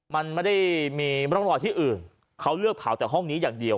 มันไม่ได้มีร่องรอยที่อื่นเขาเลือกเผาจากห้องนี้อย่างเดียว